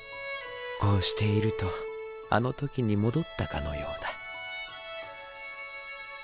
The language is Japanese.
こうしているとあの時に戻ったかのようだ。